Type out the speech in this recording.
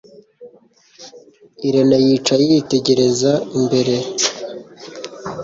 Irene yicaye yitegereza imbere